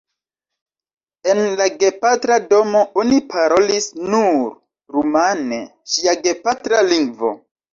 En la gepatra domo oni parolis nur rumane, ŝia gepatra lingvo.